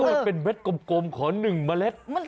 ก็เป็นเม็ดกลมขอหนึ่งเมล็ด